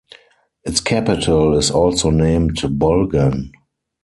Its capital is also named Bulgan.